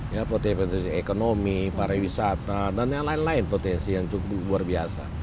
ya potensi potensi ekonomi pariwisata dan lain lain potensi yang cukup luar biasa